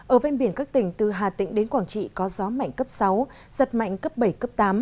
ở ven biển các tỉnh từ hà tĩnh đến quảng trị có gió mạnh cấp sáu giật mạnh cấp bảy cấp tám